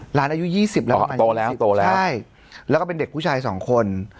อายุ๒๐แล้วโตแล้วโตแล้วใช่แล้วก็เป็นเด็กผู้ชายสองคน